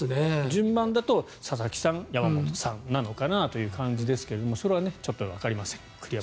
順番だと佐々木さん山本さんなのかなという感じですがそれはちょっとわかりません。